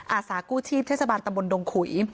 อาสากู้ชีพเทศบาลตำบลดงขุย